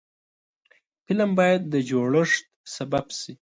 فلم باید د جوړښت سبب شي